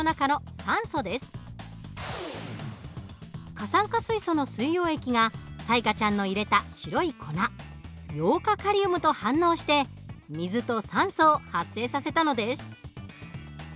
過酸化水素の水溶液が彩加ちゃんの入れた白い粉ヨウ化カリウムと反応して水と酸素を発生させたのです。